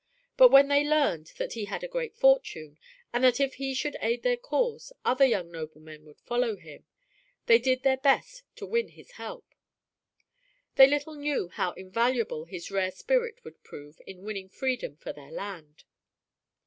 But when they learned that he had a great fortune, and that if he should aid their cause other young noblemen would follow him, they did their best to win his help. They little knew how invaluable his rare spirit would prove in winning freedom for their land.